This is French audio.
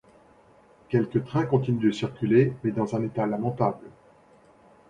Quelques trains continuent de circuler mais dans un état lamentable.